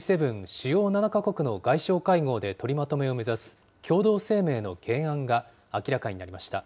主要７か国の外相会合で取りまとめを目指す共同声明の原案が明らかになりました。